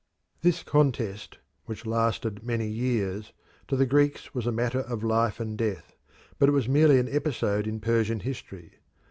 This contest, which lasted many years, to the Greeks was a matter of life and death, but it was merely an episode in Persian history.